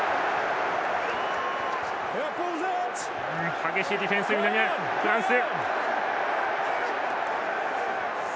激しいディフェンス、フランス。